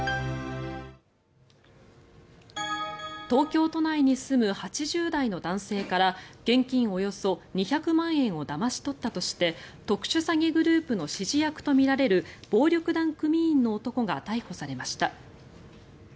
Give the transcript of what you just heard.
東京都内に住む８０代の男性から現金およそ２００万円をだまし取ったとして特殊詐欺グループの指示役とみられる暴力団組員の男が逮捕されました。